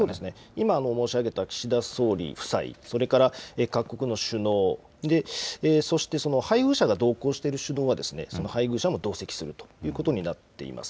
今、申し上げた岸田総理夫妻、それから各国の首脳、そしてその配偶者が同行している首脳は、配偶者も同席するということになっています。